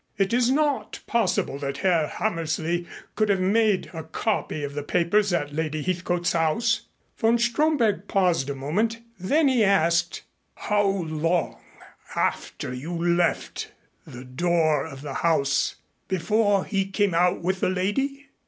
It is not possible that Herr Hammersley could have made a copy of the papers at Lady Heathcote's house." Von Stromberg paused a moment, then he asked: "How long after you left the door of the house before he came out with the lady?"